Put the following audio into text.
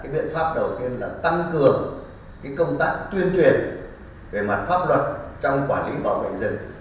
biện pháp đầu tiên là tăng cường công tác tuyên truyền về mặt pháp luật trong quản lý bảo vệ rừng